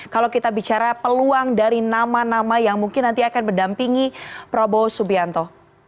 kalau kita bicara peluang dari nama nama yang mungkin nanti akan mendampingi prabowo subianto